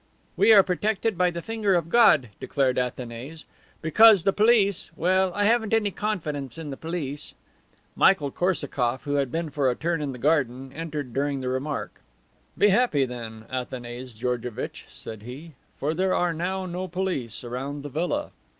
"We are protected by the finger of God," declared Athanase, "because the police well, I haven't any confidence in the police." Michael Korsakoff, who had been for a turn in the garden, entered during the remark. "Be happy, then, Athanase Georgevitch," said he, "for there are now no police around the villa."